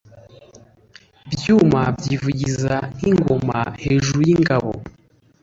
ibyuma byivugiza nkingoma hejuru yingabo